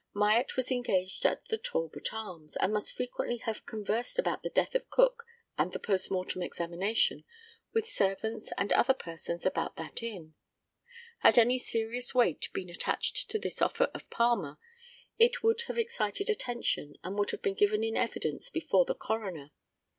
Myatt was engaged at the Talbot Arms, and must frequently have conversed about the death of Cook and the post mortem examination with servants and other persons about that inn. Had any serious weight been attached to this offer of Palmer, it would have excited attention, and would have been given in evidence before the coroner.